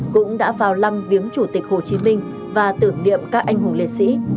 cũng đã vào lăng viếng chủ tịch hồ chí minh và tưởng niệm các anh hùng liệt sĩ